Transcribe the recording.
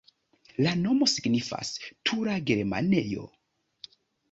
La nomo signifas: tura-germanejo.